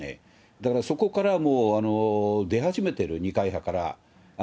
だから、そこからもう出始めてる、二階派から。